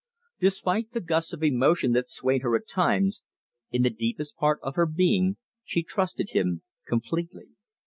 Despite the gusts of emotion that swayed her at times, in the deepest part of her being she trusted him completely.